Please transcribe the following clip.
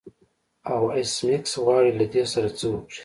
او ایس میکس غواړي له دې سره څه وکړي